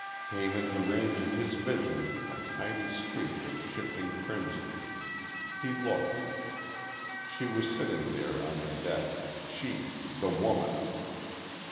Came into range of his vision a tiny streak of shifting crimson. He looked. She was sitting there, on the deck she The Woman.